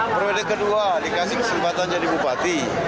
prioritas kedua dikasih kesempatan jadi bupati